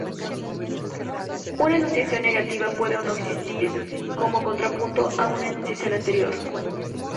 Una enunciación negativa puede o no existir como contrapunto a una enunciación anterior.